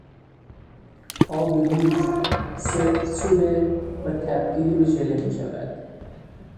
آب گوشت، سفت شده و تبدیل به ژله میشود.